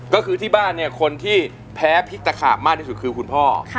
ก็คือที่บ้านเนี่ยคนที่แพ้พริกตะขาบมากที่สุดคือคุณพ่อ